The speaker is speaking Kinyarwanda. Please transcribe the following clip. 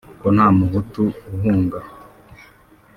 ko nta muhutu uhunga